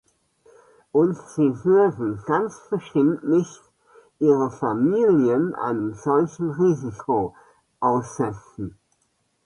Und sie würden ganz bestimmt nicht ihre Familien einem solchen Risiko aussetzen.